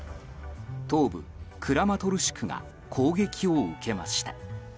東部クラマトルシクが攻撃を受けました。